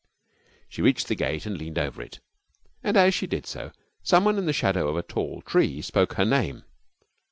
She reached the gate and leaned over it. And as she did so someone in the shadow of a tall tree spoke her name.